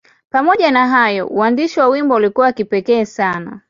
Pamoja na hayo, uandishi wa wimbo ulikuwa wa kipekee sana.